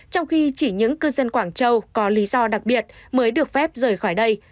trong khi chỉ những cư dân quảng châu có lý do đặc biệt mới được phép rời khỏi đây